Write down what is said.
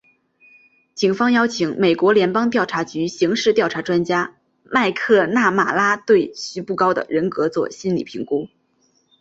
警方邀请美国联邦调查局刑事调查专家麦克纳马拉对徐步高的人格作心理评估。